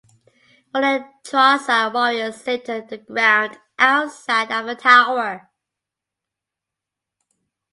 Fallen Trarza warriors littered the ground outside of the tower.